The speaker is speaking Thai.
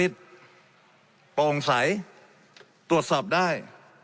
และมีผลกระทบไปทุกสาขาอาชีพชาติ